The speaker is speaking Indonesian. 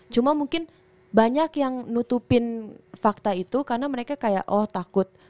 cuma mungkin banyak yang nutupin fakta itu karena mereka kayak oh takut